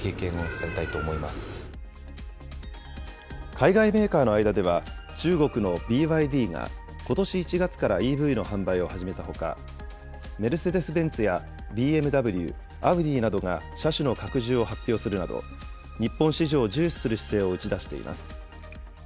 海外メーカーの間では、中国のＢＹＤが、ことし１月からＥＶの販売を始めたほか、メルセデス・ベンツやＢＭＷ、アウディなどが車種の拡充を発表するなど、日本市場を重視する姿勢を打ち出しています。